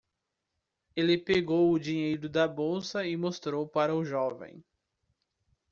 Ele pegou o dinheiro da bolsa e mostrou para o jovem.